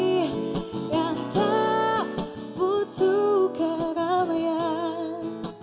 yang tak butuh keramaian